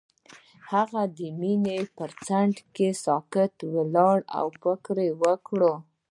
هغه د مینه پر څنډه ساکت ولاړ او فکر وکړ.